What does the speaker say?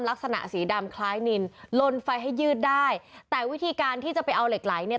ลักษณะสีดำคล้ายนินลนไฟให้ยืดได้แต่วิธีการที่จะไปเอาเหล็กไหลเนี่ย